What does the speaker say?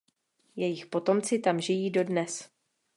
Jejich potomci tam žijí dodnes.